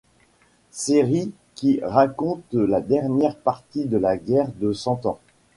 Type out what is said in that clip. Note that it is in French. Série qui raconte la dernière partie de la guerre de Cent Ans.